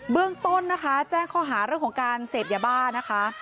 เรื่องต้นนะคะแจ้งข้อหาเรื่องของการเสพยาบ้านะคะ